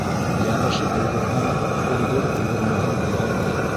Йәбешеп өлгөрһәң, өлгөр; өлгөрмәһәң, биғәйбә.